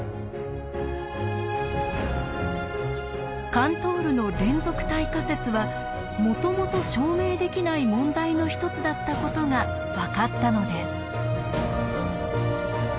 カントールの「連続体仮説」はもともと証明できない問題の一つだったことが分かったのです。